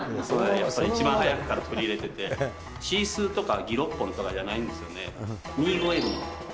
やっぱり一番早くから取り入れてて、シースーとかギロッポンとかじゃないんですよね。